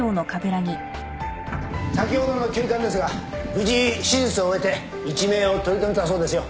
先ほどの急患ですが無事手術を終えて一命を取り留めたそうですよ